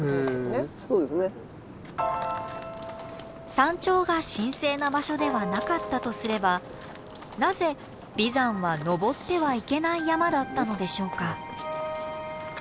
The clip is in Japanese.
山頂が神聖な場所ではなかったとすればなぜ眉山は登ってはいけない山だったのでしょうか。